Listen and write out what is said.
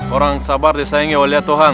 orang sabar disaingi oleh tuhan